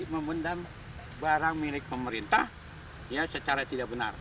membendam barang milik pemerintah secara tidak benar